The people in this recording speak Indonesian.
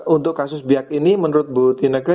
untuk kasus biak ini menurut bu tinake